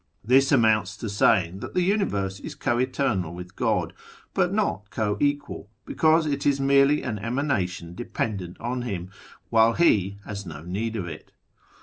This amounts to saying that the Universe is co eternal with God, but not co equal, because it is merely an Emanation dependent on Him, while He has no need of it.